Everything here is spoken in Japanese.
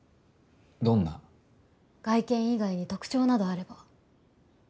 外見以外に特徴などあれば。